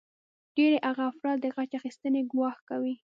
ډیری هغه افراد د غچ اخیستنې ګواښ کوي